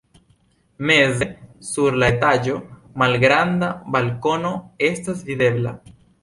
Meze sur la etaĝo malgranda balkono estas videbla.